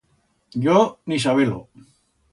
Yo ni saber-lo.